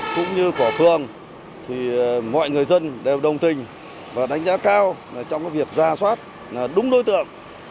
cũng như của phường thì mọi người dân đều đồng tình và đánh giá cao trong việc ra soát đúng đối tượng